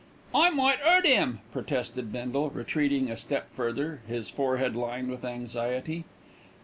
"I might 'urt 'im," protested Bindle, retreating a step further, his forehead lined with anxiety.